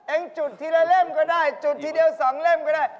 จุดทีละเล่มก็ได้จุดทีเดียว๒เล่มก็ได้